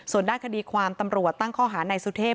ส่วนด้านคดีความตำรวจตั้งข้อหานายสุเทพ